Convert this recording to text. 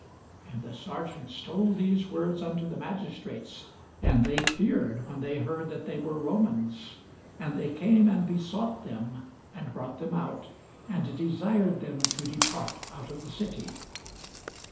And the serjeants told these words unto the magistrates: and they feared, when they heard that they were Romans. And they came and besought them, and brought them out, and desired them to depart out of the city.